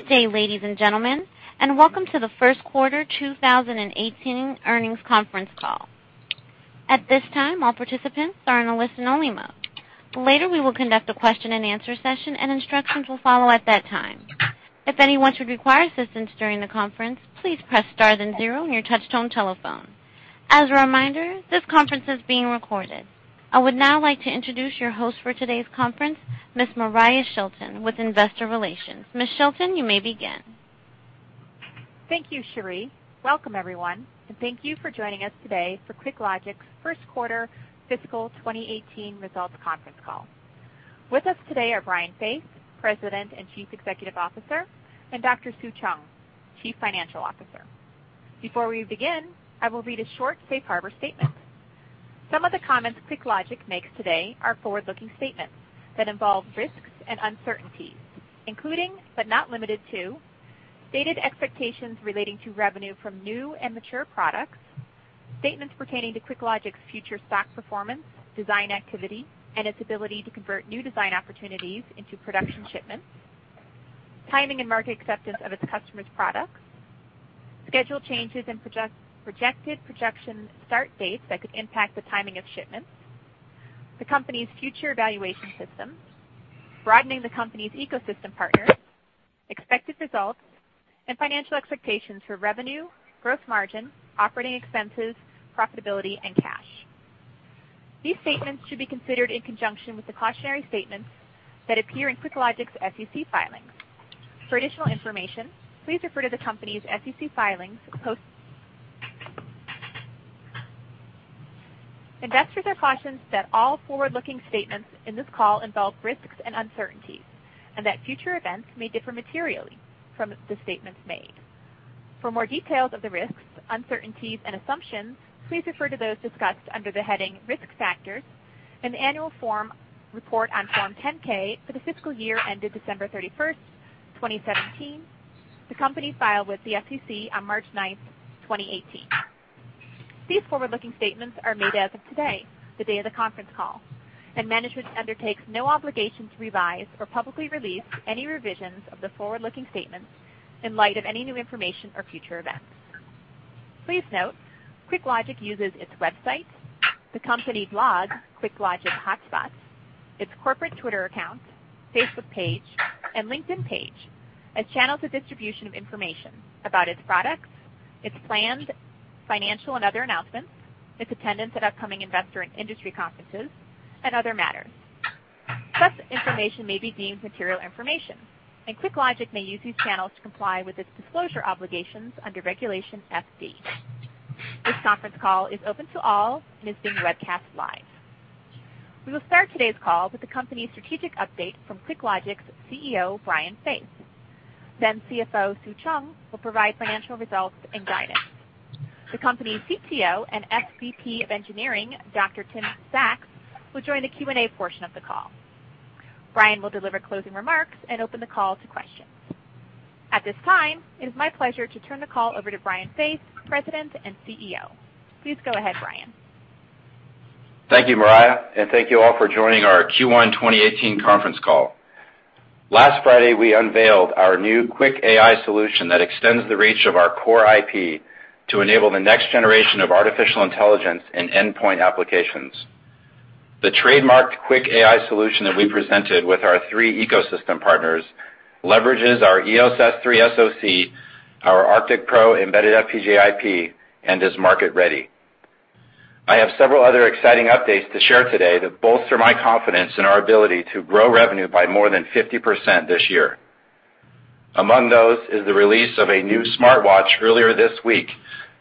Good day, ladies and gentlemen, and welcome to the first quarter 2018 earnings conference call. At this time, all participants are in a listen-only mode. Later, we will conduct a question and answer session, and instructions will follow at that time. If anyone should require assistance during the conference, please press star then zero on your touch-tone telephone. As a reminder, this conference is being recorded. I would now like to introduce your host for today's conference, Ms. Moriah Shilton with Investor Relations. Ms. Shilton, you may begin. Thank you, Cherie. Welcome, everyone, and thank you for joining us today for QuickLogic's first quarter fiscal 2018 results conference call. With us today are Brian Faith, President and Chief Executive Officer, and Dr. Sue Cheung, Chief Financial Officer. Before we begin, I will read a short safe harbor statement. Some of the comments QuickLogic makes today are forward-looking statements that involve risks and uncertainties, including but not limited to, stated expectations relating to revenue from new and mature products, statements pertaining to QuickLogic's future stock performance, design activity, and its ability to convert new design opportunities into production shipments, timing and market acceptance of its customers' products, schedule changes and projected projection start dates that could impact the timing of shipments, the company's future evaluation system, broadening the company's ecosystem partners, expected results, and financial expectations for revenue, gross margin, operating expenses, profitability, and cash. These statements should be considered in conjunction with the cautionary statements that appear in QuickLogic's SEC filings. For additional information, please refer to the company's SEC filings posted Investors are cautioned that all forward-looking statements in this call involve risks and uncertainties and that future events may differ materially from the statements made. For more details of the risks, uncertainties, and assumptions, please refer to those discussed under the heading Risk Factors in the annual report on Form 10-K for the fiscal year ended December 31st, 2017, the company filed with the SEC on March 9th, 2018. These forward-looking statements are made as of today, the day of the conference call, and management undertakes no obligation to revise or publicly release any revisions of the forward-looking statements in light of any new information or future events. Please note, QuickLogic uses its website, the company blog, QuickLogic HotSpots, its corporate Twitter account, Facebook page, and LinkedIn page as channels of distribution of information about its products, its planned financial and other announcements, its attendance at upcoming investor and industry conferences, and other matters. Such information may be deemed material information, and QuickLogic may use these channels to comply with its disclosure obligations under Regulation FD. This conference call is open to all and is being webcast live. We will start today's call with the company's strategic update from QuickLogic's CEO, Brian Faith. CFO Sue Cheung will provide financial results and guidance. The company's CTO and SVP of engineering, Dr. Tim Saxe, will join the Q&A portion of the call. Brian will deliver closing remarks and open the call to questions. At this time, it is my pleasure to turn the call over to Brian Faith, President and CEO. Please go ahead, Brian. Thank you, Moriah, and thank you all for joining our Q1 2018 conference call. Last Friday, we unveiled our new QuickAI solution that extends the reach of our core IP to enable the next generation of artificial intelligence in endpoint applications. The trademarked QuickAI solution that we presented with our three ecosystem partners leverages our EOS S3 SoC, our ArcticPro embedded FPGA IP, and is market-ready. I have several other exciting updates to share today that bolster my confidence in our ability to grow revenue by more than 50% this year. Among those is the release of a new smartwatch earlier this week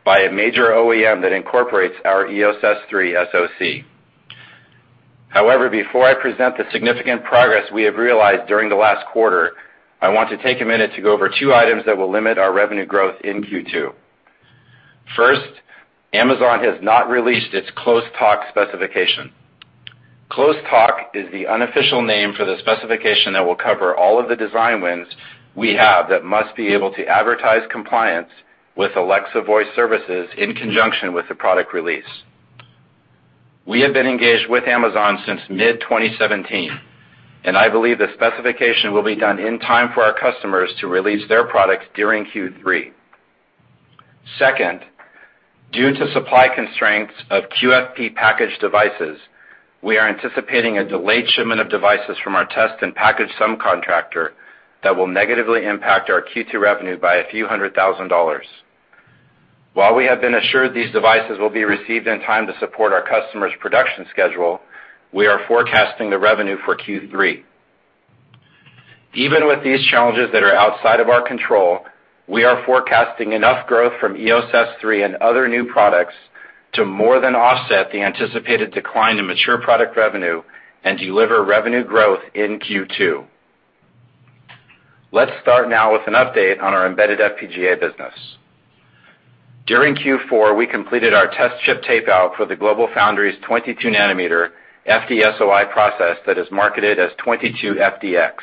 by a major OEM that incorporates our EOS S3 SoC. Before I present the significant progress we have realized during the last quarter, I want to take a minute to go over two items that will limit our revenue growth in Q2. First, Amazon has not released its Close Talk specification. Close Talk is the unofficial name for the specification that will cover all of the design wins we have that must be able to advertise compliance with Alexa Voice Services in conjunction with the product release. We have been engaged with Amazon since mid-2017, and I believe the specification will be done in time for our customers to release their products during Q3. Second, due to supply constraints of QFP package devices, we are anticipating a delayed shipment of devices from our test and package subcontractor that will negatively impact our Q2 revenue by a few hundred thousand dollars. While we have been assured these devices will be received in time to support our customer's production schedule, we are forecasting the revenue for Q3. Even with these challenges that are outside of our control, we are forecasting enough growth from EOS S3 and other new products to more than offset the anticipated decline in mature product revenue and deliver revenue growth in Q2. Let's start now with an update on our embedded FPGA business. During Q4, we completed our test chip tape out for the GlobalFoundries 22 nanometer FDSOI process that is marketed as 22FDX.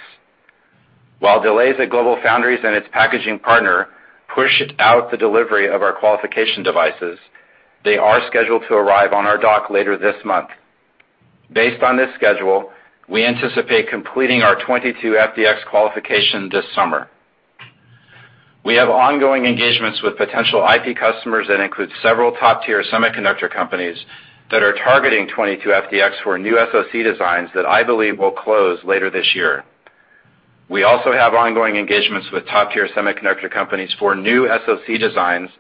While delays at GlobalFoundries and its packaging partner pushed out the delivery of our qualification devices, they are scheduled to arrive on our dock later this month. Based on this schedule, we anticipate completing our 22FDX qualification this summer. We have ongoing engagements with potential IP customers that include several top-tier semiconductor companies that are targeting 22FDX for new SoC designs that I believe will close later this year. We also have ongoing engagements with top-tier semiconductor companies for new SoC designs,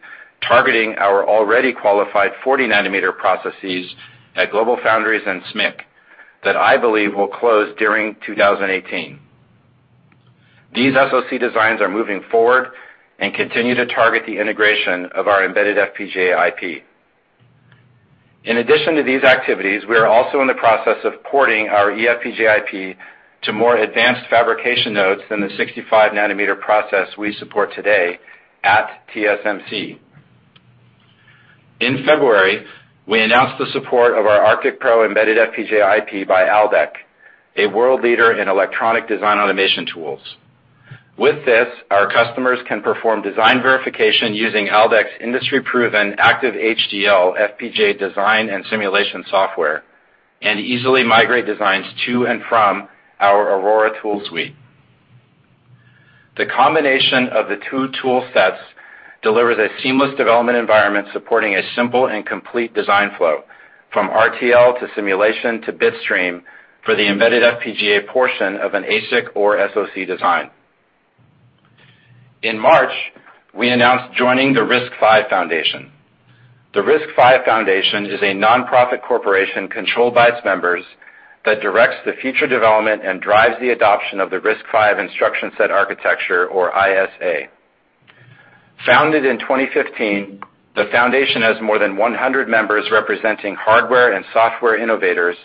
targeting our already qualified 40 nanometer processes at GlobalFoundries and SMIC that I believe will close during 2018. These SoC designs are moving forward and continue to target the integration of our embedded FPGA IP. In addition to these activities, we are also in the process of porting our eFPGA IP to more advanced fabrication nodes than the 65 nanometer process we support today at TSMC. In February, we announced the support of our ArcticPro embedded FPGA IP by Aldec, a world leader in electronic design automation tools. With this, our customers can perform design verification using Aldec's industry-proven Active-HDL FPGA design and simulation software, and easily migrate designs to and from our Aurora tool suite. The combination of the two tool sets delivers a seamless development environment supporting a simple and complete design flow, from RTL to simulation to bitstream for the embedded FPGA portion of an ASIC or SoC design. In March, we announced joining the RISC-V Foundation. The RISC-V Foundation is a nonprofit corporation controlled by its members that directs the future development and drives the adoption of the RISC-V instruction set architecture or ISA. Founded in 2015, the foundation has more than 100 members representing hardware and software innovators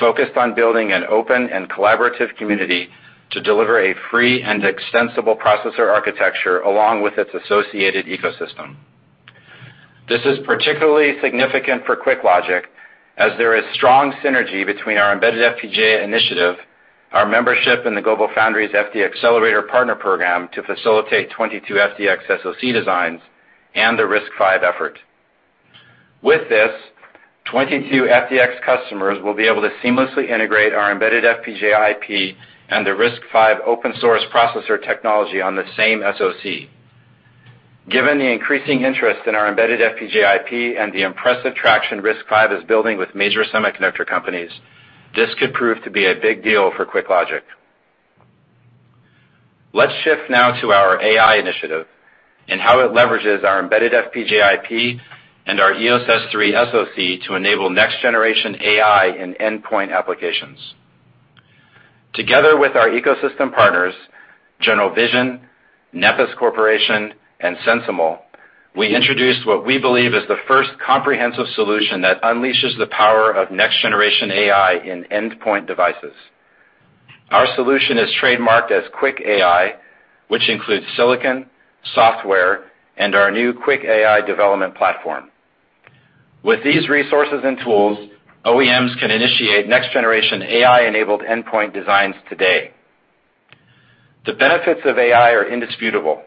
focused on building an open and collaborative community to deliver a free and extensible processor architecture along with its associated ecosystem. This is particularly significant for QuickLogic as there is strong synergy between our embedded FPGA initiative, our membership in the GlobalFoundries FDXcelerator partner program to facilitate 22FDX SoC designs, and the RISC-V effort. With this, 22FDX customers will be able to seamlessly integrate our embedded FPGA IP and the RISC-V open source processor technology on the same SoC. Given the increasing interest in our embedded FPGA IP and the impressive traction RISC-V is building with major semiconductor companies, this could prove to be a big deal for QuickLogic. Let's shift now to our AI initiative and how it leverages our embedded FPGA IP and our EOS S3 SoC to enable next generation AI in endpoint applications. Together with our ecosystem partners, General Vision, Nepes Corporation, and SensiML, we introduced what we believe is the first comprehensive solution that unleashes the power of next generation AI in endpoint devices. Our solution is trademarked as QuickAI, which includes silicon, software, and our new QuickAI development platform. With these resources and tools, OEMs can initiate next generation AI-enabled endpoint designs today. The benefits of AI are indisputable.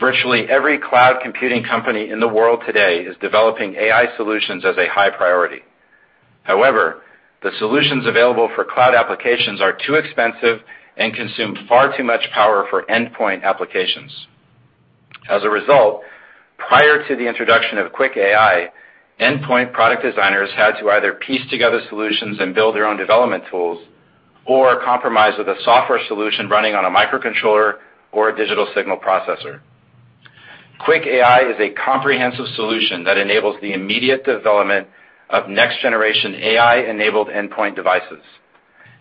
Virtually every cloud computing company in the world today is developing AI solutions as a high priority. However, the solutions available for cloud applications are too expensive and consume far too much power for endpoint applications. As a result, prior to the introduction of QuickAI, endpoint product designers had to either piece together solutions and build their own development tools, or compromise with a software solution running on a microcontroller or a digital signal processor. QuickAI is a comprehensive solution that enables the immediate development of next generation AI-enabled endpoint devices,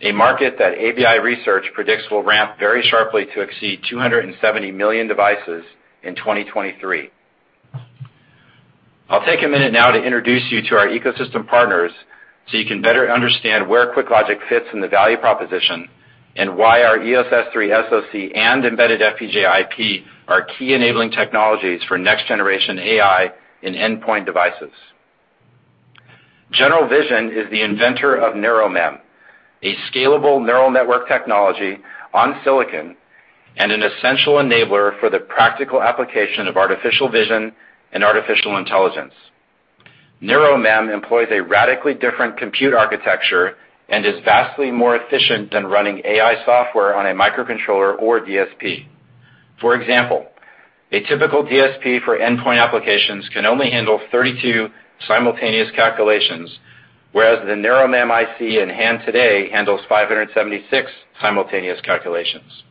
a market that ABI Research predicts will ramp very sharply to exceed 270 million devices in 2023. I'll take a minute now to introduce you to our ecosystem partners so you can better understand where QuickLogic fits in the value proposition. Why our EOS S3 SoC and embedded FPGA IP are key enabling technologies for next generation AI in endpoint devices. General Vision is the inventor of NeuroMem, a scalable neural network technology on silicon, and an essential enabler for the practical application of artificial vision and artificial intelligence. NeuroMem employs a radically different compute architecture and is vastly more efficient than running AI software on a microcontroller or DSP. For example, a typical DSP for endpoint applications can only handle 32 simultaneous calculations, whereas the NeuroMem IC enhanced today handles 576 simultaneous calculations.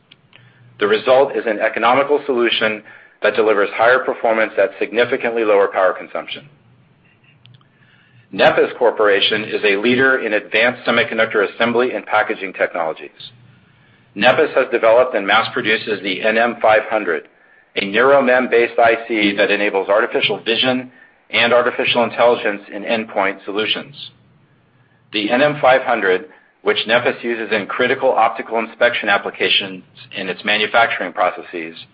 The result is an economical solution that delivers higher performance at significantly lower power consumption. Nepes Corporation is a leader in advanced semiconductor assembly and packaging technologies. Nepes has developed and mass produces the NM500, a NeuroMem-based IC that enables artificial vision and artificial intelligence in endpoint solutions. The NM500, which Nepes uses in critical optical inspection applications in its manufacturing processes, is a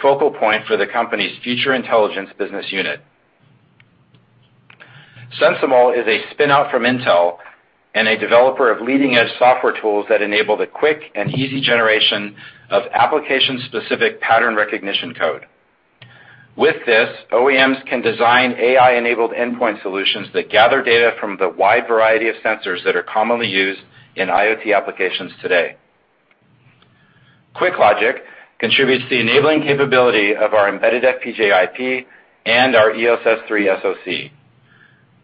focal point for the company's future intelligence business unit. SensiML is a spin-out from Intel and a developer of leading-edge software tools that enable the quick and easy generation of application-specific pattern recognition code. With this, OEMs can design AI-enabled endpoint solutions that gather data from the wide variety of sensors that are commonly used in IoT applications today. QuickLogic contributes to the enabling capability of our embedded FPGA IP and our EOS S3 SoC.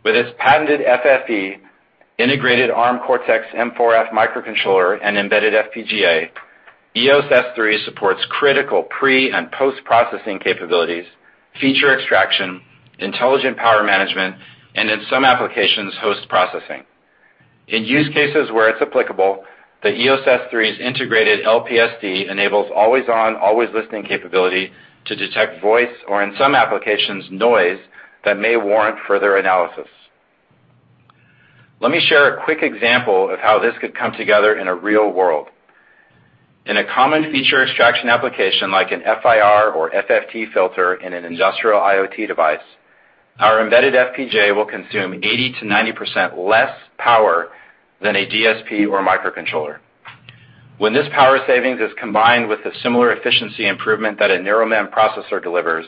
With its patented FFE, integrated Arm Cortex-M4F microcontroller, and embedded FPGA, EOS S3 supports critical pre- and post-processing capabilities, feature extraction, intelligent power management, and in some applications, host processing. In use cases where it's applicable, the EOS S3's integrated LPSD enables always-on, always-listening capability to detect voice or, in some applications, noise that may warrant further analysis. Let me share a quick example of how this could come together in a real world. In a common feature extraction application like an FIR or FFT filter in an industrial IoT device, our embedded FPGA will consume 80%-90% less power than a DSP or microcontroller. When this power savings is combined with the similar efficiency improvement that a NeuroMem processor delivers,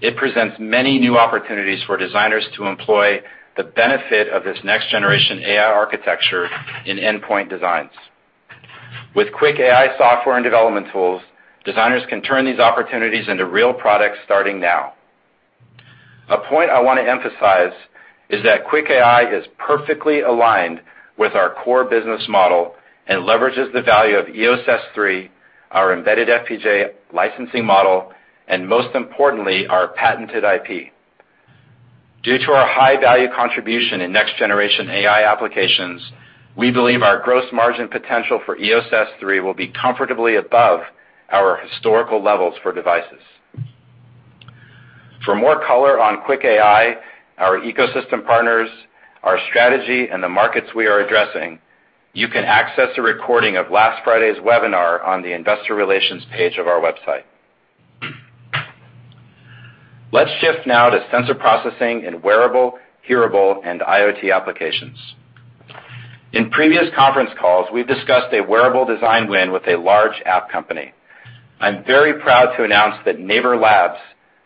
it presents many new opportunities for designers to employ the benefit of this next-generation AI architecture in endpoint designs. With QuickAI software and development tools, designers can turn these opportunities into real products, starting now. A point I want to emphasize is that QuickAI is perfectly aligned with our core business model and leverages the value of EOS S3, our embedded FPGA licensing model, and most importantly, our patented IP. Due to our high-value contribution in next-generation AI applications, we believe our gross margin potential for EOS S3 will be comfortably above our historical levels for devices. For more color on QuickAI, our ecosystem partners, our strategy, and the markets we are addressing, you can access a recording of last Friday's webinar on the investor relations page of our website. Let's shift now to sensor processing in wearable, hearable, and IoT applications. In previous conference calls, we've discussed a wearable design win with a large app company. I'm very proud to announce that NAVER LABS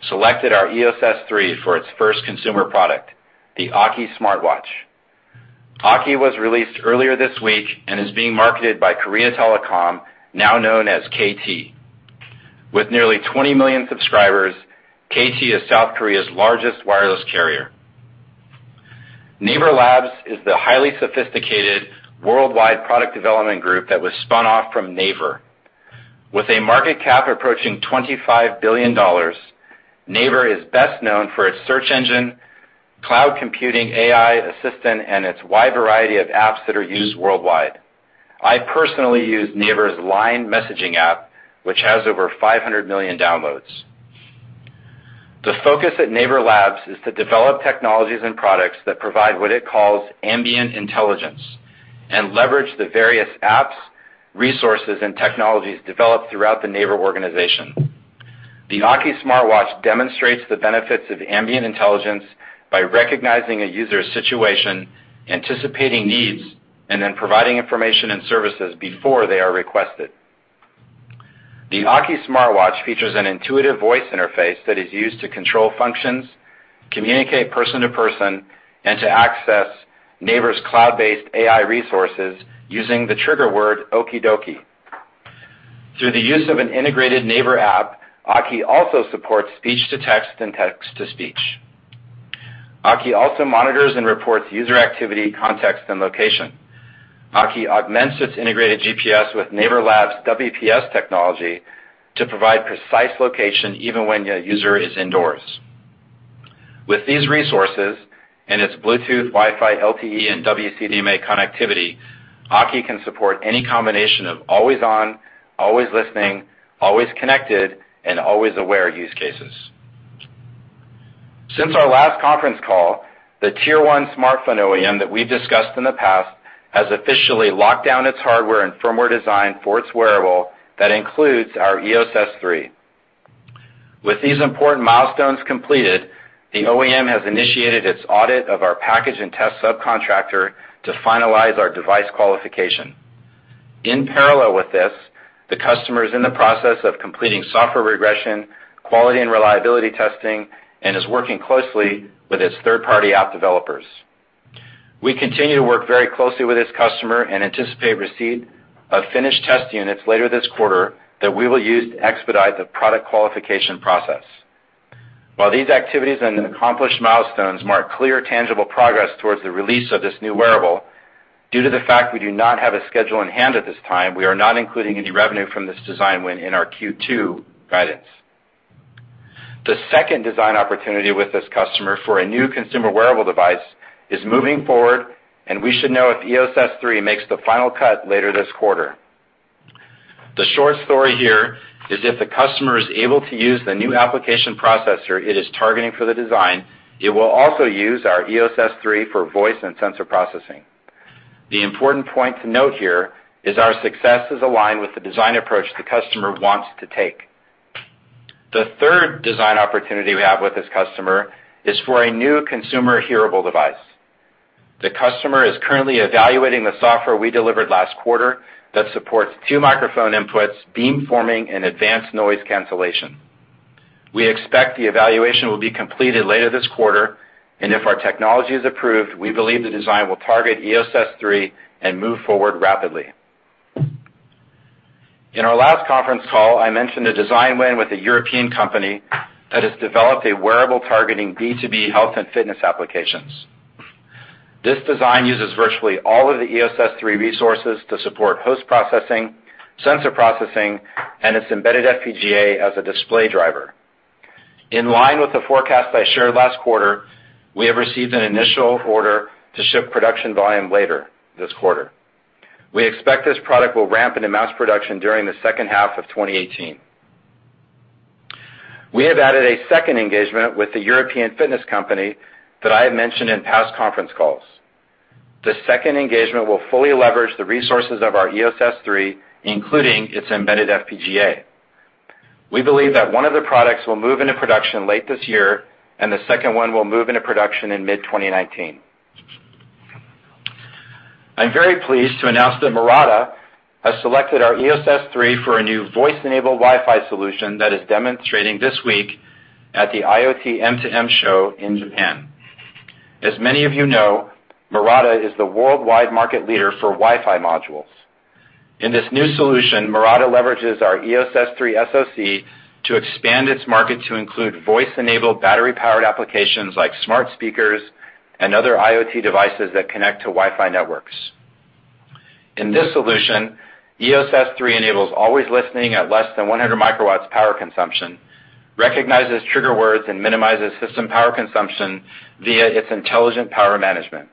selected our EOS S3 for its first consumer product, the AKI smartwatch. AKI was released earlier this week and is being marketed by Korea Telecom, now known as KT. With nearly 20 million subscribers, KT is South Korea's largest wireless carrier. NAVER LABS is the highly sophisticated worldwide product development group that was spun off from Naver. With a market cap approaching $25 billion, Naver is best known for its search engine, cloud computing, AI assistant, and its wide variety of apps that are used worldwide. I personally use Naver's LINE messaging app, which has over 500 million downloads. The focus at NAVER LABS is to develop technologies and products that provide what it calls ambient intelligence and leverage the various apps, resources, and technologies developed throughout the Naver organization. The AKI smartwatch demonstrates the benefits of ambient intelligence by recognizing a user's situation, anticipating needs, and then providing information and services before they are requested. The AKI smartwatch features an intuitive voice interface that is used to control functions, communicate person to person, and to access Naver's cloud-based AI resources using the trigger word oki doki. Through the use of an integrated Naver app, AKI also supports speech-to-text and text-to-speech. AKI also monitors and reports user activity, context, and location. AKI augments its integrated GPS with NAVER LABS' WPS technology to provide precise location even when a user is indoors. With these resources and its Bluetooth, Wi-Fi, LTE, and WCDMA connectivity, AKI can support any combination of always on, always listening, always connected, and always aware use cases. Since our last conference call, the Tier 1 smartphone OEM that we've discussed in the past has officially locked down its hardware and firmware design for its wearable that includes our EOS S3. With these important milestones completed, the OEM has initiated its audit of our package and test subcontractor to finalize our device qualification. In parallel with this, the customer is in the process of completing software regression, quality and reliability testing, and is working closely with its third-party app developers. We continue to work very closely with this customer and anticipate receipt of finished test units later this quarter that we will use to expedite the product qualification process. While these activities and accomplished milestones mark clear, tangible progress towards the release of this new wearable, due to the fact we do not have a schedule in hand at this time, we are not including any revenue from this design win in our Q2 guidance. The second design opportunity with this customer for a new consumer wearable device is moving forward, and we should know if the EOS S3 makes the final cut later this quarter. The short story here is if the customer is able to use the new application processor it is targeting for the design, it will also use our EOS S3 for voice and sensor processing. The important point to note here is our success is aligned with the design approach the customer wants to take. The third design opportunity we have with this customer is for a new consumer hearable device. The customer is currently evaluating the software we delivered last quarter that supports two microphone inputs, beamforming, and advanced noise cancellation. We expect the evaluation will be completed later this quarter, and if our technology is approved, we believe the design will target EOS S3 and move forward rapidly. In our last conference call, I mentioned a design win with a European company that has developed a wearable targeting B2B health and fitness applications. This design uses virtually all of the EOS S3 resources to support host processing, sensor processing, and its embedded FPGA as a display driver. In line with the forecast I shared last quarter, we have received an initial order to ship production volume later this quarter. We expect this product will ramp into mass production during the second half of 2018. We have added a second engagement with the European fitness company that I have mentioned in past conference calls. The second engagement will fully leverage the resources of our EOS S3, including its embedded FPGA. We believe that one of the products will move into production late this year, and the second one will move into production in mid-2019. I'm very pleased to announce that Murata has selected our EOS S3 for a new voice-enabled Wi-Fi solution that is demonstrating this week at the IoT M2M show in Japan. As many of you know, Murata is the worldwide market leader for Wi-Fi modules. In this new solution, Murata leverages our EOS S3 SoC to expand its market to include voice-enabled battery-powered applications like smart speakers and other IoT devices that connect to Wi-Fi networks. In this solution, EOS S3 enables always listening at less than 100 microwatts power consumption, recognizes trigger words, and minimizes system power consumption via its intelligent power management.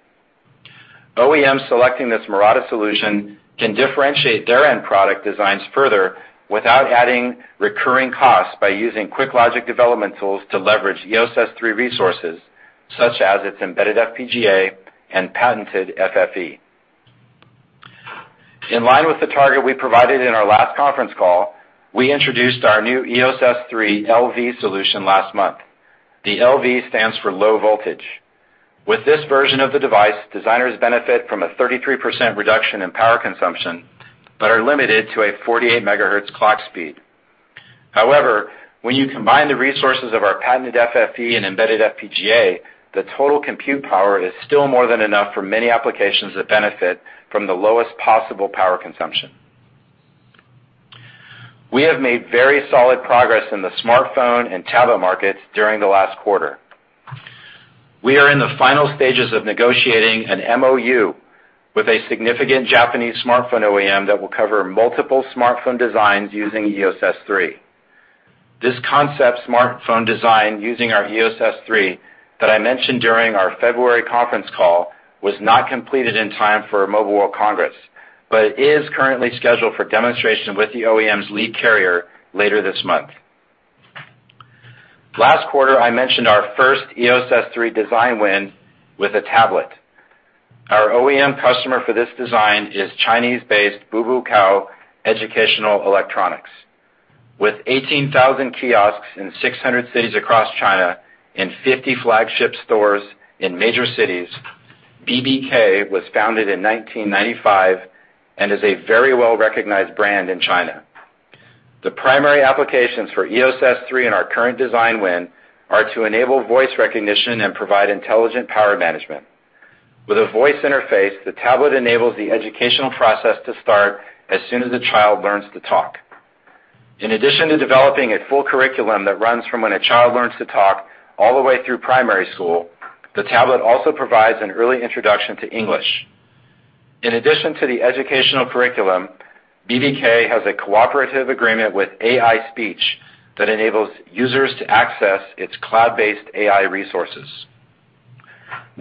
OEMs selecting this Murata solution can differentiate their end product designs further without adding recurring costs by using QuickLogic development tools to leverage EOS S3 resources such as its embedded FPGA and patented FFE. In line with the target we provided in our last conference call, we introduced our new EOS S3 LV solution last month. The LV stands for low voltage. With this version of the device, designers benefit from a 33% reduction in power consumption but are limited to a 48 megahertz clock speed. However, when you combine the resources of our patented FFE and embedded FPGA, the total compute power is still more than enough for many applications that benefit from the lowest possible power consumption. We have made very solid progress in the smartphone and tablet markets during the last quarter. We are in the final stages of negotiating an MOU with a significant Japanese smartphone OEM that will cover multiple smartphone designs using EOS S3. This concept smartphone design using our EOS S3 that I mentioned during our February conference call was not completed in time for Mobile World Congress, but it is currently scheduled for demonstration with the OEM's lead carrier later this month. Last quarter, I mentioned our first EOS S3 design win with a tablet. Our OEM customer for this design is Chinese-based BBK Educational Electronics. With 18,000 kiosks in 600 cities across China and 50 flagship stores in major cities, BBK was founded in 1995 and is a very well-recognized brand in China. The primary applications for EOS S3 in our current design win are to enable voice recognition and provide intelligent power management. With a voice interface, the tablet enables the educational process to start as soon as the child learns to talk. In addition to developing a full curriculum that runs from when a child learns to talk all the way through primary school, the tablet also provides an early introduction to English. In addition to the educational curriculum, BBK has a cooperative agreement with AISpeech that enables users to access its cloud-based AI resources.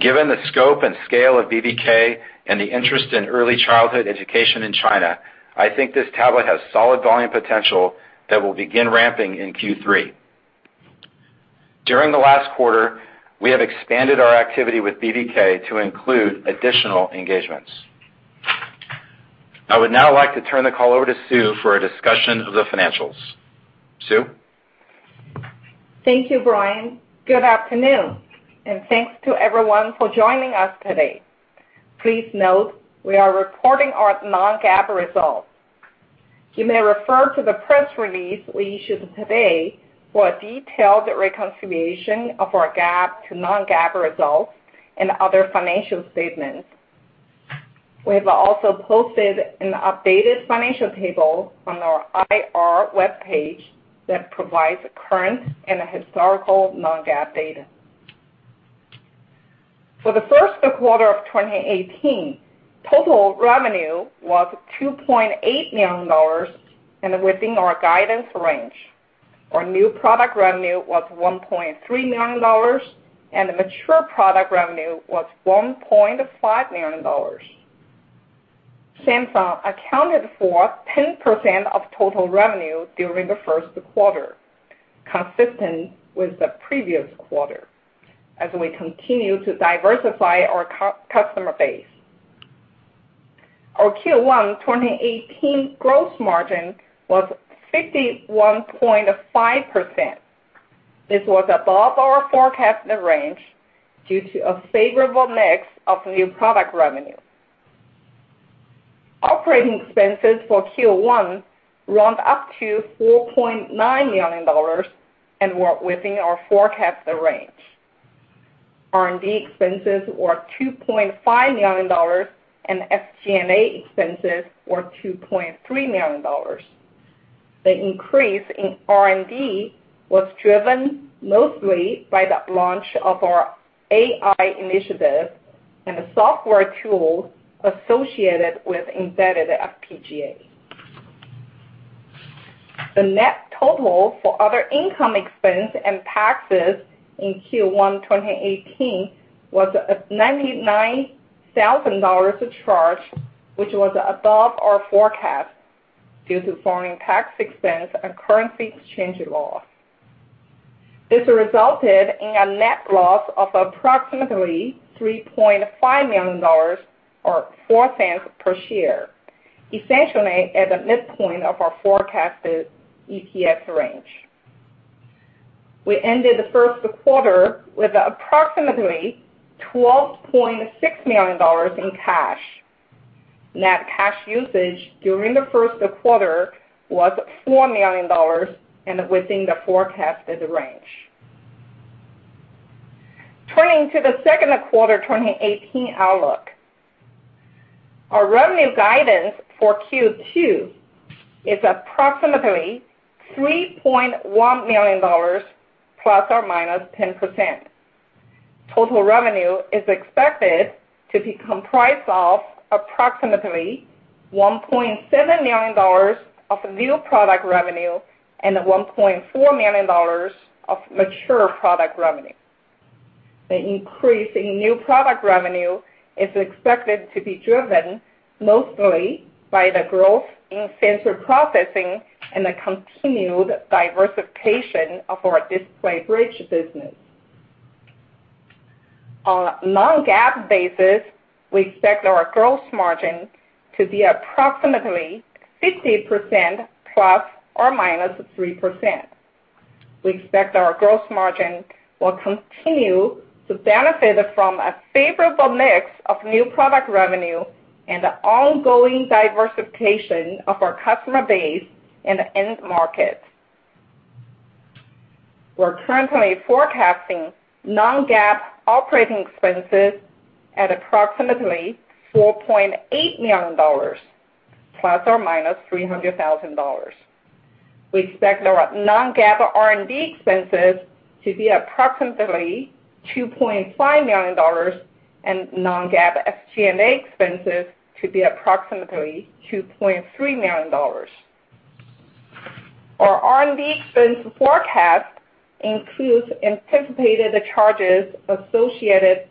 Given the scope and scale of BBK and the interest in early childhood education in China, I think this tablet has solid volume potential that will begin ramping in Q3. During the last quarter, we have expanded our activity with BBK to include additional engagements. I would now like to turn the call over to Sue for a discussion of the financials. Sue? Thank you, Brian. Good afternoon, thanks to everyone for joining us today. Please note we are reporting our non-GAAP results. You may refer to the press release we issued today for a detailed reconciliation of our GAAP to non-GAAP results and other financial statements. We have also posted an updated financial table on our IR webpage that provides current and historical non-GAAP data. For the first quarter of 2018, total revenue was $2.8 million and within our guidance range. Our new product revenue was $1.3 million, and the mature product revenue was $1.5 million. Samsung accounted for 10% of total revenue during the first quarter, consistent with the previous quarter as we continue to diversify our customer base. Our Q1 2018 gross margin was 51.5%. This was above our forecasted range due to a favorable mix of new product revenue. Operating expenses for Q1 ramped up to $4.9 million and were within our forecasted range. R&D expenses were $2.5 million and SG&A expenses were $2.3 million. The increase in R&D was driven mostly by the launch of our AI initiative and the software tools associated with embedded FPGA. The net total for other income expense and taxes in Q1 2018 was a $99,000 charge, which was above our forecast due to foreign tax expense and currency exchange loss. This resulted in a net loss of approximately $3.5 million or $0.04 per share, essentially at the midpoint of our forecasted EPS range. We ended the first quarter with approximately $12.6 million in cash. Net cash usage during the first quarter was $4 million and within the forecasted range. Turning to the second quarter 2018 outlook. Our revenue guidance for Q2 is approximately $3.1 million ±10%. Total revenue is expected to be comprised of approximately $1.7 million of new product revenue and $1.4 million of mature product revenue. The increase in new product revenue is expected to be driven mostly by the growth in sensor processing and the continued diversification of our Display Bridge business. On a non-GAAP basis, we expect our gross margin to be approximately 50% ±3%. We expect our gross margin will continue to benefit from a favorable mix of new product revenue and the ongoing diversification of our customer base in the end market. We're currently forecasting non-GAAP operating expenses at approximately $4.8 million, ±$300,000. We expect our non-GAAP R&D expenses to be approximately $2.5 million, and non-GAAP SG&A expenses to be approximately $2.3 million. Our R&D expense forecast includes anticipated charges associated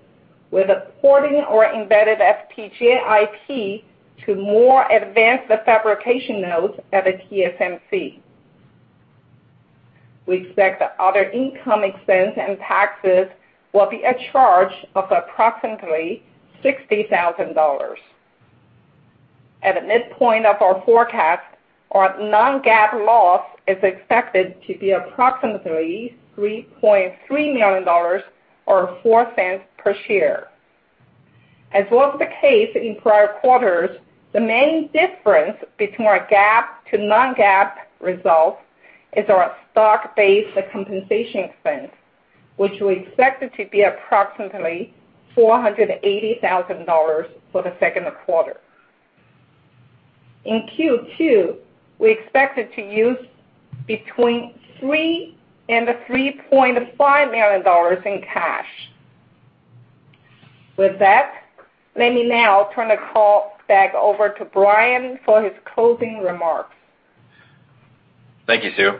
with porting our embedded FPGA IP to more advanced fabrication nodes at TSMC. We expect other income expense and taxes will be a charge of approximately $60,000. At the midpoint of our forecast, our non-GAAP loss is expected to be approximately $3.3 million or $0.04 per share. As was the case in prior quarters, the main difference between our GAAP to non-GAAP results is our stock-based compensation expense, which we expect to be approximately $480,000 for the second quarter. In Q2, we expect to use between $3 million and $3.5 million in cash. With that, let me now turn the call back over to Brian for his closing remarks. Thank you, Sue.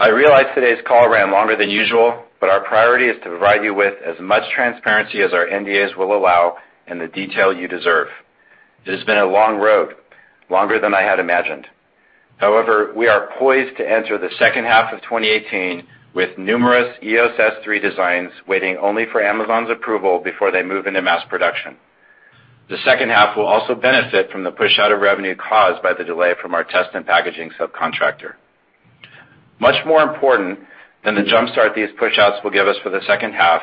I realize today's call ran longer than usual, but our priority is to provide you with as much transparency as our NDAs will allow and the detail you deserve. It has been a long road, longer than I had imagined. However, we are poised to enter the second half of 2018 with numerous EOS S3 designs waiting only for Amazon's approval before they move into mass production. The second half will also benefit from the push out of revenue caused by the delay from our test and packaging subcontractor. Much more important than the jumpstart these pushouts will give us for the second half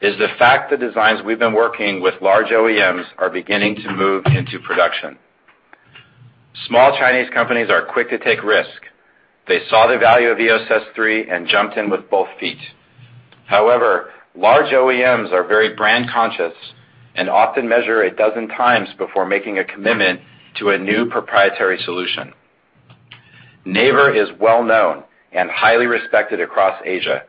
is the fact the designs we've been working with large OEMs are beginning to move into production. Small Chinese companies are quick to take risks. They saw the value of EOS S3 and jumped in with both feet. Large OEMs are very brand conscious and often measure a dozen times before making a commitment to a new proprietary solution. Naver is well known and highly respected across Asia,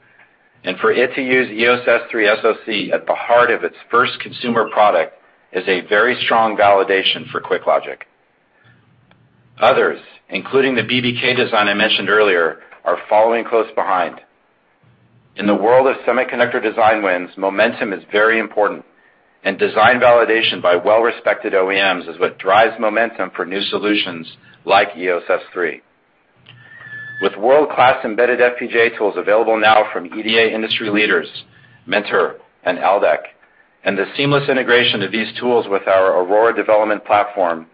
and for it to use EOS S3 SoC at the heart of its first consumer product is a very strong validation for QuickLogic. Others, including the BBK design I mentioned earlier, are following close behind. In the world of semiconductor design wins, momentum is very important, and design validation by well-respected OEMs is what drives momentum for new solutions like EOS S3. With world-class embedded FPGA tools available now from EDA industry leaders, Mentor and Aldec, and the seamless integration of these tools with our Aurora development platform,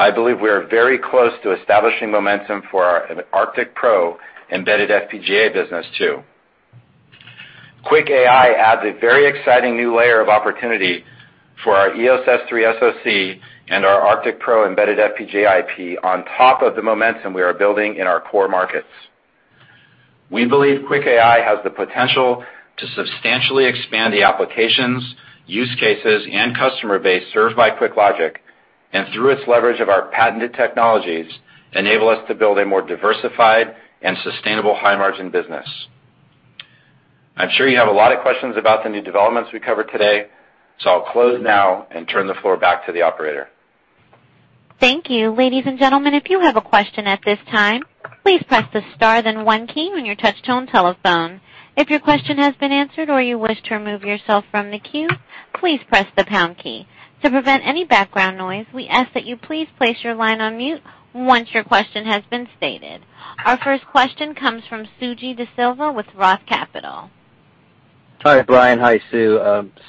I believe we are very close to establishing momentum for our ArcticPro embedded FPGA business too. QuickAI adds a very exciting new layer of opportunity for our EOS S3 SoC and our ArcticPro embedded FPGA IP on top of the momentum we are building in our core markets. We believe QuickAI has the potential to substantially expand the applications, use cases, and customer base served by QuickLogic, and through its leverage of our patented technologies, enable us to build a more diversified and sustainable high-margin business. I'm sure you have a lot of questions about the new developments we covered today. I'll close now and turn the floor back to the operator. Thank you. Ladies and gentlemen, if you have a question at this time, please press the star then one key on your touch-tone telephone. If your question has been answered or you wish to remove yourself from the queue, please press the pound key. To prevent any background noise, we ask that you please place your line on mute once your question has been stated. Our first question comes from Suji De Silva with Roth Capital. Hi, Brian. Hi, Sue.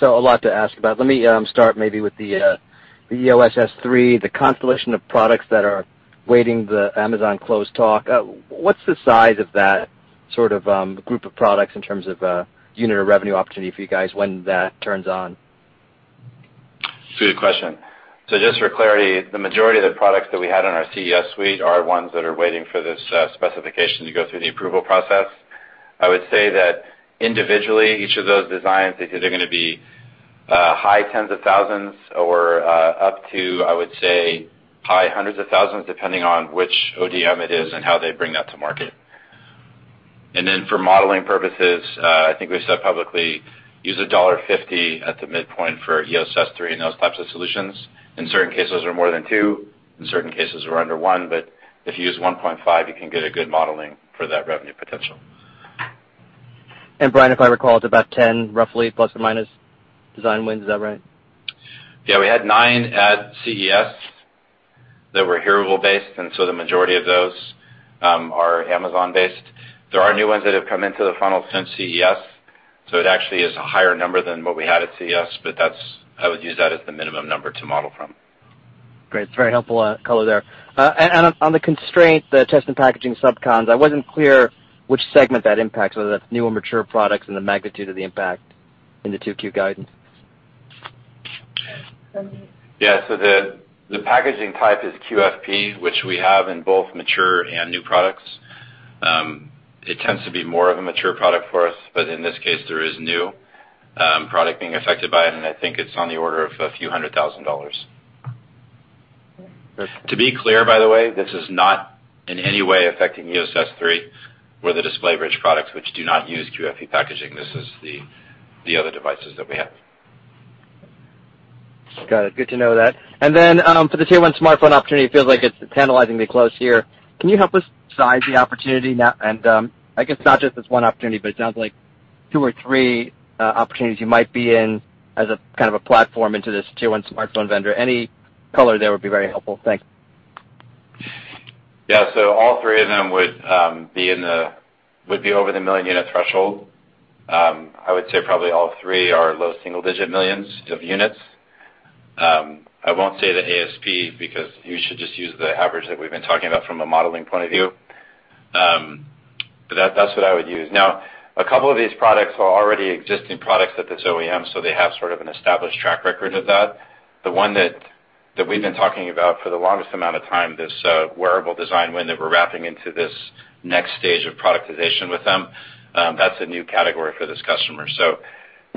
A lot to ask about. Let me start maybe with the EOS S3, the constellation of products that are waiting the Amazon Close Talk. What's the size of that group of products in terms of unit or revenue opportunity for you guys when that turns on? Good question. Just for clarity, the majority of the products that we had on our CES suite are ones that are waiting for this specification to go through the approval process. I would say that individually, each of those designs, they're going to be high tens of thousands or up to, I would say, high hundreds of thousands, depending on which ODM it is and how they bring that to market. For modeling purposes, I think we've said publicly, use $1.50 at the midpoint for EOS S3 and those types of solutions. In certain cases, we're more than two, in certain cases, we're under one, but if you use 1.5, you can get a good modeling for that revenue potential. Brian, if I recall, it's about 10 roughly, plus or minus design wins. Is that right? Yeah, we had nine at CES that were hearable-based. The majority of those are Amazon-based. There are new ones that have come into the funnel since CES. It actually is a higher number than what we had at CES, but I would use that as the minimum number to model from. Great. It's very helpful color there. On the constraint, the test and packaging sub cons, I wasn't clear which segment that impacts, whether that's new or mature products and the magnitude of the impact in the 2Q guidance. Yeah. The packaging type is QFP, which we have in both mature and new products. It tends to be more of a mature product for us, but in this case, there is new product being affected by it, I think it's on the order of a few hundred thousand dollars. To be clear, by the way, this is not in any way affecting EOS S3 or the display-rich products which do not use QFP packaging. This is the other devices that we have. Got it. Good to know that. For the tier 1 smartphone opportunity, it feels like it's tantalizingly close here. Can you help us size the opportunity now? I guess not just this one opportunity, but it sounds like two or three opportunities you might be in as a kind of a platform into this tier 1 smartphone vendor. Any color there would be very helpful. Thanks. All three of them would be over the million-unit threshold. I would say probably all three are low single-digit millions of units. I won't say the ASP because you should just use the average that we've been talking about from a modeling point of view. That's what I would use. A couple of these products are already existing products at this OEM, so they have sort of an established track record of that. The one that we've been talking about for the longest amount of time, this wearable design win that we're wrapping into this next stage of productization with them, that's a new category for this customer.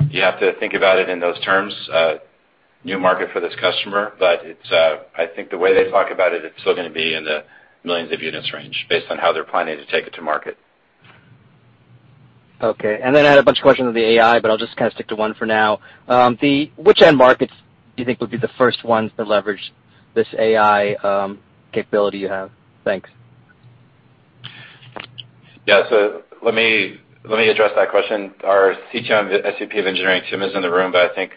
You have to think about it in those terms, a new market for this customer, but I think the way they talk about it's still going to be in the millions of units range based on how they're planning to take it to market. Okay. I had a bunch of questions on the AI, I'll just kind of stick to one for now. Which end markets do you think would be the first ones to leverage this AI capability you have? Thanks. Yeah. Let me address that question. Our CTO, SVP of engineering, Tim, is in the room, I think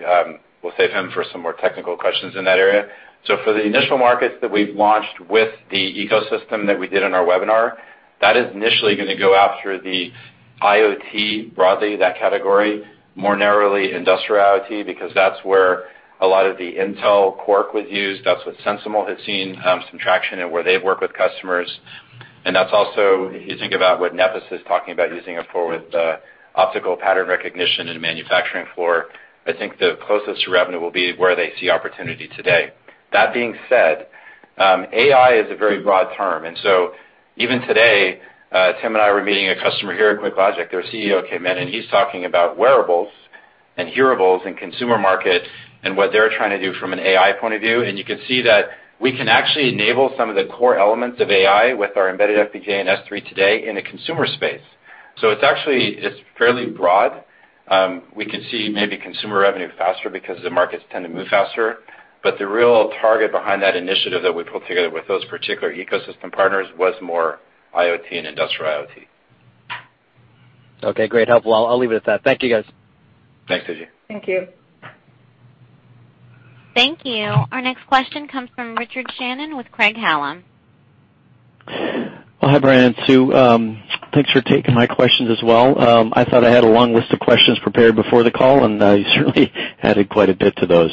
we'll save him for some more technical questions in that area. For the initial markets that we've launched with the ecosystem that we did in our webinar, that is initially going to go after the IoT, broadly, that category, more narrowly industrial IoT, because that's where a lot of the Intel Quark was used. That's what SensiML has seen some traction in where they've worked with customers. That's also, you think about what Nepes is talking about using it for with the optical pattern recognition in a manufacturing floor. I think the closest to revenue will be where they see opportunity today. That being said, AI is a very broad term, even today, Tim and I were meeting a customer here at QuickLogic. Their CEO came in. He's talking about wearables and hearables in consumer market and what they're trying to do from an AI point of view. You can see that we can actually enable some of the core elements of AI with our embedded FPGA and S3 today in a consumer space. It's fairly broad. We could see maybe consumer revenue faster because the markets tend to move faster. The real target behind that initiative that we put together with those particular ecosystem partners was more IoT and industrial IoT. Okay, great. Helpful. I'll leave it at that. Thank you, guys. Thanks, Suji. Thank you. Thank you. Our next question comes from Richard Shannon with Craig-Hallum. Well, hi, Brian, Sue. Thanks for taking my questions as well. I thought I had a long list of questions prepared before the call, and you certainly added quite a bit to those.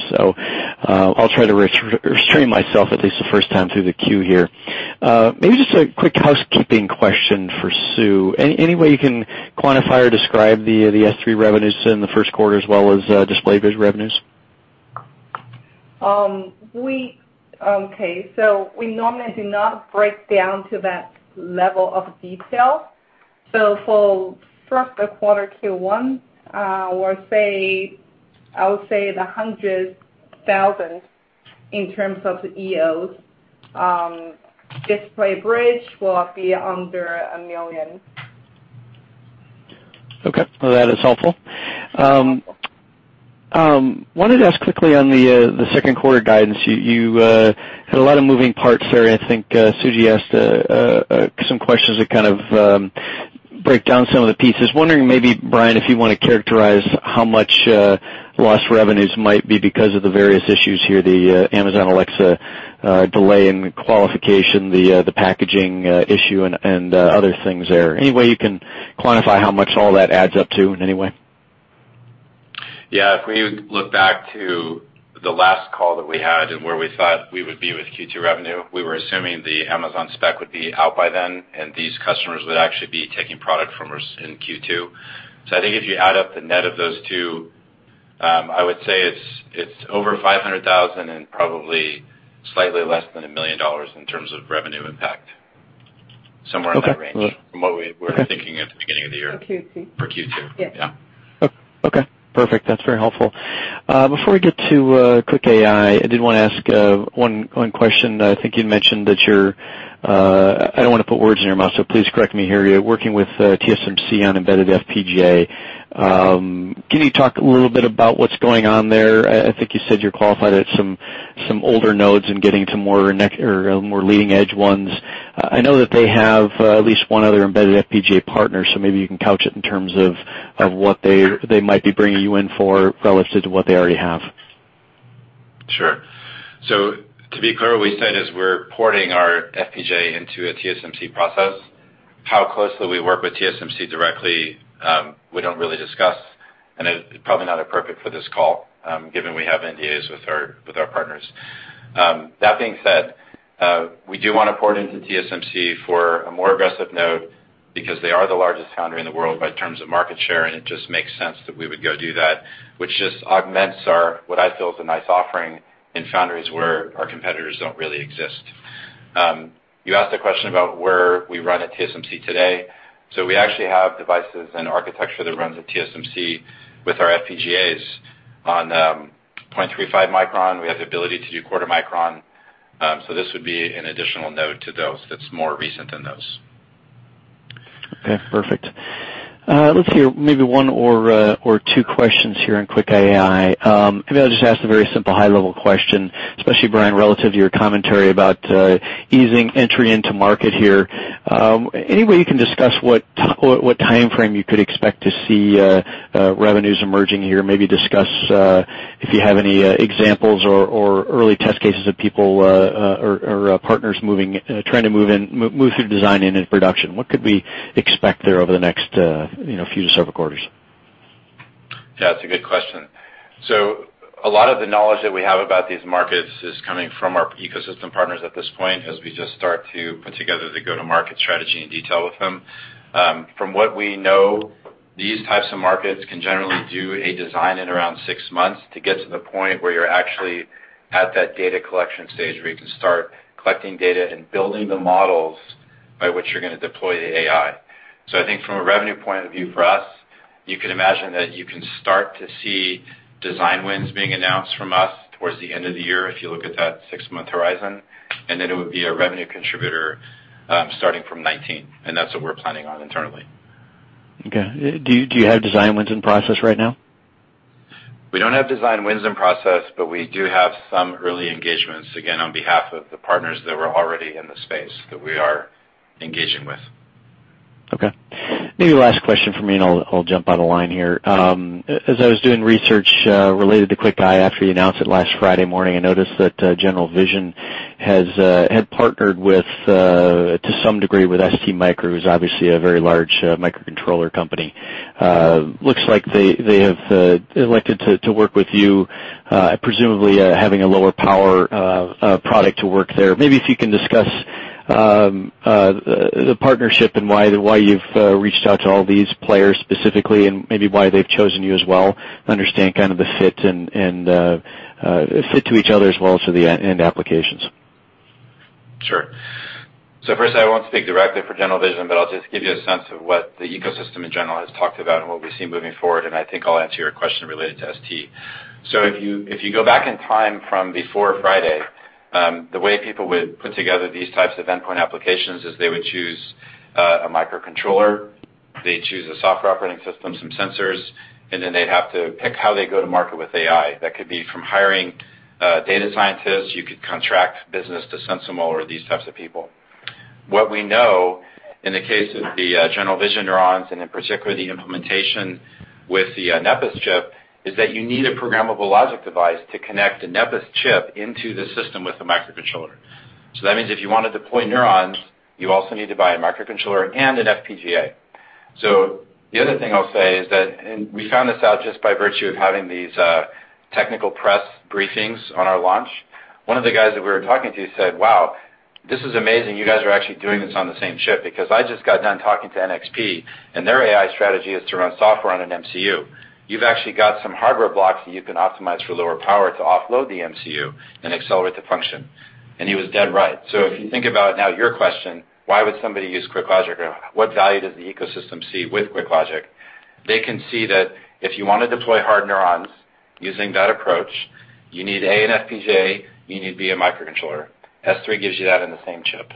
I'll try to restrain myself at least the first time through the queue here. Maybe just a quick housekeeping question for Sue. Any way you can quantify or describe the EOS S3 revenues in the first quarter as well as Display Bridge revenues? Okay. We normally do not break down to that level of detail. For the first quarter Q1, I would say the $100,000 in terms of the EOS S3. Display Bridge will be under $1 million. Okay. Well, that is helpful. Wanted to ask quickly on the second quarter guidance. You had a lot of moving parts there, and I think Suji asked some questions that kind of break down some of the pieces. Wondering maybe, Brian, if you want to characterize how much lost revenues might be because of the various issues here, the Amazon Alexa delay in qualification, the packaging issue, and other things there. Any way you can quantify how much all that adds up to in any way? Yeah. If we look back to the last call that we had and where we thought we would be with Q2 revenue, we were assuming the Amazon spec would be out by then, and these customers would actually be taking product from us in Q2. I think if you add up the net of those two, I would say it's over $500,000 and probably slightly less than $1 million in terms of revenue impact. Somewhere in that range from what we were thinking at the beginning of the year. For Q2. For Q2. Yeah. Yes. Okay, perfect. That's very helpful. Before we get to QuickAI, I did want to ask one question. I think you'd mentioned that you're, I don't want to put words in your mouth, so please correct me here. You're working with TSMC on embedded FPGA. Can you talk a little bit about what's going on there? I think you said you're qualified at some older nodes and getting to more leading-edge ones. I know that they have at least one other embedded FPGA partner, so maybe you can couch it in terms of what they might be bringing you in for relative to what they already have. Sure. To be clear, what we said is we're porting our FPGA into a TSMC process. How closely we work with TSMC directly, we don't really discuss. It's probably not appropriate for this call, given we have NDAs with our partners. That being said, we do want to port into TSMC for a more aggressive node because they are the largest foundry in the world by terms of market share. It just makes sense that we would go do that, which just augments our, what I feel is a nice offering in foundries where our competitors don't really exist. You asked a question about where we run at TSMC today. We actually have devices and architecture that runs at TSMC with our FPGAs on .35 micron. We have the ability to do quarter micron. This would be an additional node to those that is more recent than those. Okay, perfect. Let's see, maybe one or two questions here on QuickAI. Maybe I will just ask the very simple high-level question, especially Brian, relative to your commentary about easing entry into market here. Any way you can discuss what timeframe you could expect to see revenues emerging here? Maybe discuss if you have any examples or early test cases of people or partners trying to move through design and in production. What could we expect there over the next few to several quarters? Yeah, that is a good question. A lot of the knowledge that we have about these markets is coming from our ecosystem partners at this point as we just start to put together the go-to-market strategy in detail with them. From what we know, these types of markets can generally do a design in around six months to get to the point where you are actually at that data collection stage, where you can start collecting data and building the models by which you are going to deploy the AI. I think from a revenue point of view for us, you can imagine that you can start to see design wins being announced from us towards the end of the year if you look at that six-month horizon, and then it would be a revenue contributor starting from 2019, and that is what we are planning on internally. Okay. Do you have design wins in process right now? We don't have design wins in process, but we do have some early engagements, again, on behalf of the partners that were already in the space that we are engaging with. Okay. Maybe last question for me, I'll jump out of line here. As I was doing research related to QuickAI after you announced it last Friday morning, I noticed that General Vision had partnered to some degree with STMicroelectronics, who's obviously a very large microcontroller company. Looks like they have elected to work with you, presumably having a lower power product to work there. Maybe if you can discuss the partnership and why you've reached out to all these players specifically and maybe why they've chosen you as well, understand kind of the fit to each other as well as to the end applications. Sure. First, I won't speak directly for General Vision, but I'll just give you a sense of what the ecosystem in general has talked about and what we see moving forward, and I think I'll answer your question related to ST. If you go back in time from before Friday, the way people would put together these types of endpoint applications is they would choose a microcontroller, they'd choose a software operating system, some sensors, and then they'd have to pick how they go to market with AI. That could be from hiring data scientists. You could contract business to SensiML or these types of people. What we know in the case of the General Vision neurons, and in particular, the implementation with the Nepes chip, is that you need a programmable logic device to connect a Nepes chip into the system with a microcontroller. That means if you want to deploy neurons, you also need to buy a microcontroller and an FPGA. The other thing I'll say is that, and we found this out just by virtue of having these technical press briefings on our launch. One of the guys that we were talking to said, "Wow, this is amazing. You guys are actually doing this on the same chip because I just got done talking to NXP, and their AI strategy is to run software on an MCU. You've actually got some hardware blocks that you can optimize for lower power to offload the MCU and accelerate the function." He was dead right. If you think about now your question, why would somebody use QuickLogic? What value does the ecosystem see with QuickLogic? They can see that if you want to deploy hard neurons using that approach, you need, A, an FPGA, you need, B, a microcontroller. S3 gives you that in the same chip,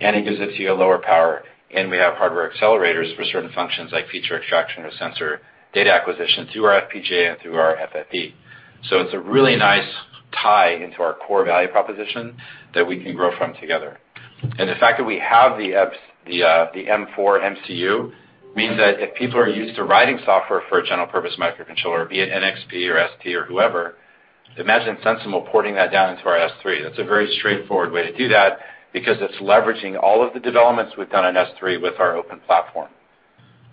and it gives it to you at lower power. we have hardware accelerators for certain functions like feature extraction or sensor data acquisition through our FPGA and through our FFE. it's a really nice tie into our core value proposition that we can grow from together. the fact that we have the M4 MCU means that if people are used to writing software for a general purpose microcontroller, be it NXP or ST or whoever, imagine SensiML porting that down into our S3. That's a very straightforward way to do that because it's leveraging all of the developments we've done on S3 with our open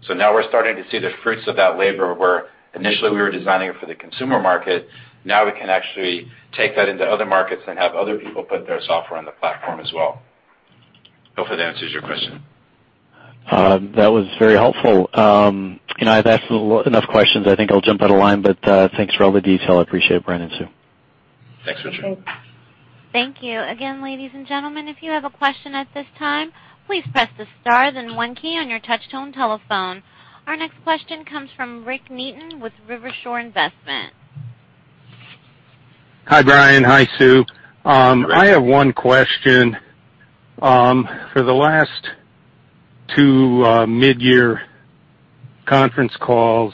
platform. now we're starting to see the fruits of that labor, where initially we were designing it for the consumer market. Now we can actually take that into other markets and have other people put their software on the platform as well. Hopefully that answers your question. That was very helpful. I've asked enough questions. I think I'll jump out of line, but thanks for all the detail. I appreciate it, Brian and Sue. Thanks, Richard. Thank you. Again, ladies and gentlemen, if you have a question at this time, please press the star then one key on your touch tone telephone. Our next question comes from Rick Neaton with Rivershore Investment. Hi, Brian. Hi, Sue. Hi. I have one question. For the last two mid-year conference calls,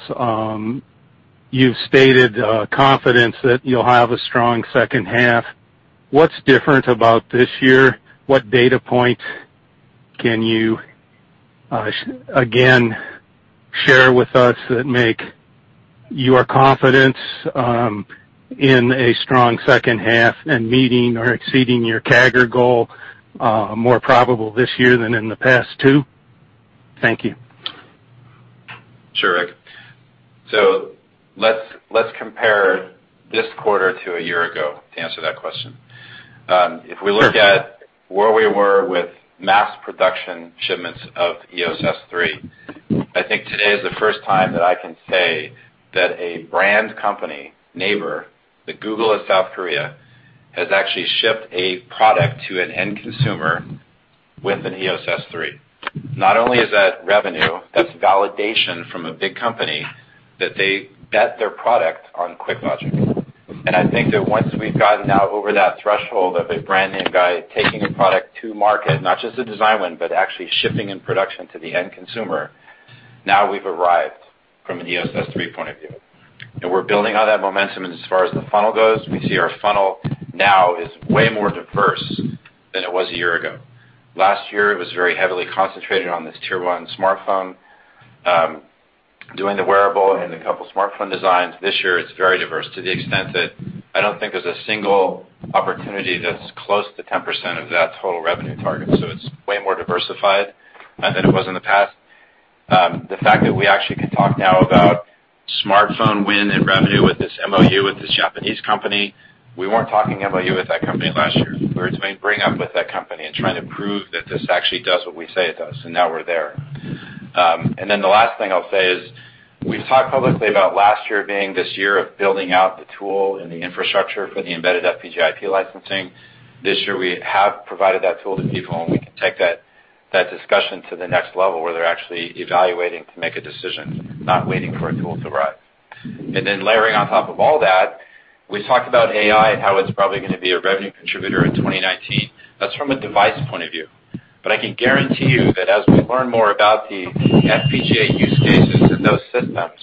you've stated confidence that you'll have a strong second half. What's different about this year? What data point can you, again, share with us that make your confidence in a strong second half and meeting or exceeding your CAGR goal more probable this year than in the past two? Thank you. Sure, Rick. Let's compare this quarter to a year ago to answer that question. If we look at where we were with mass production shipments of EOS S3, I think today is the first time that I can say that a brand company, Naver, the Google of South Korea, has actually shipped a product to an end consumer with an EOS S3. Not only is that revenue, that's validation from a big company that they bet their product on QuickLogic. I think that once we've gotten now over that threshold of a brand name guy taking a product to market, not just a design win, but actually shipping in production to the end consumer, now we've arrived from an EOS S3 point of view. We're building on that momentum, as far as the funnel goes, we see our funnel now is way more diverse than it was a year ago. Last year, it was very heavily concentrated on this tier 1 smartphone. Doing the wearable and a couple smartphone designs this year, it's very diverse to the extent that I don't think there's a single opportunity that's close to 10% of that total revenue target. It's way more diversified than it was in the past. The fact that we actually can talk now about smartphone win and revenue with this MOU with this Japanese company, we weren't talking MOU with that company last year. We were doing bring up with that company and trying to prove that this actually does what we say it does, now we're there. The last thing I'll say is, we've talked publicly about last year being this year of building out the tool and the infrastructure for the embedded FPGA IP licensing. This year, we have provided that tool to people, we can take that discussion to the next level, where they're actually evaluating to make a decision, not waiting for a tool to arrive. Layering on top of all that, we talked about AI and how it's probably going to be a revenue contributor in 2019. That's from a device point of view, but I can guarantee you that as we learn more about the FPGA use cases in those systems,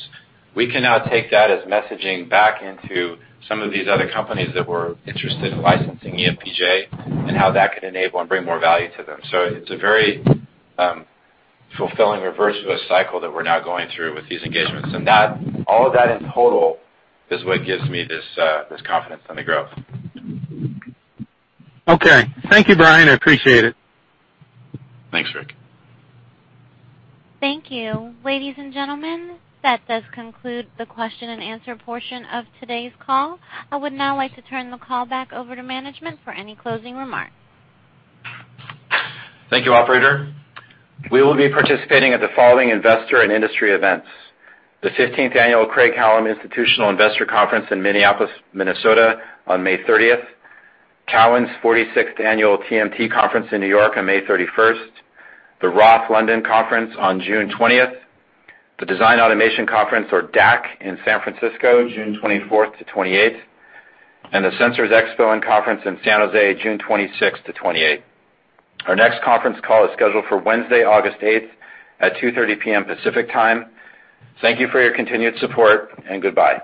we can now take that as messaging back into some of these other companies that were interested in licensing eFPGA and how that could enable and bring more value to them. It's a very fulfilling, virtuous cycle that we're now going through with these engagements. All of that in total is what gives me this confidence on the growth. Okay. Thank you, Brian. I appreciate it. Thanks, Rick. Thank you. Ladies and gentlemen, that does conclude the question and answer portion of today's call. I would now like to turn the call back over to management for any closing remarks. Thank you, operator. We will be participating at the following investor and industry events: the 15th Annual Craig-Hallum Institutional Investor Conference in Minneapolis, Minnesota on May 30th, Cowen's 46th Annual TMT Conference in New York on May 31st, the Roth London Conference on June 20th, the Design Automation Conference or DAC in San Francisco, June 24th to 28th, and the Sensors Expo & Conference in San Jose, June 26 to 28th. Our next conference call is scheduled for Wednesday, August 8th at 2:30 P.M. Pacific Time. Thank you for your continued support and goodbye.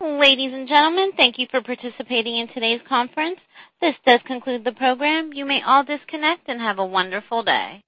Ladies and gentlemen, thank you for participating in today's conference. This does conclude the program. You may all disconnect and have a wonderful day.